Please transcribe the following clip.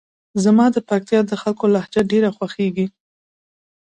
زما د پکتیکا د خلکو لهجه ډېره خوښیږي.